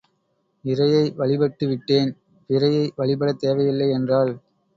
இறையை வழிபட்டுவிட்டேன் பிறையை வழிபடத் தேவை இல்லை என்றாள்.